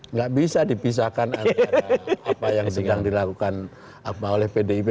nggak bisa dipisahkan antara apa yang sedang dilakukan oleh pdip